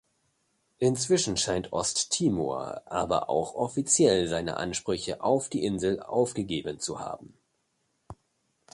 Inzwischen scheint Osttimor aber auch offiziell seine Ansprüche auf die Insel aufgegeben zu haben.